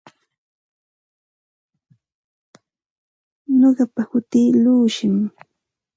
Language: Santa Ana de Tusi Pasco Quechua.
Nuqapa hutii Llushim.